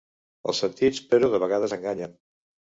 Els sentits, però, de vegades enganyen.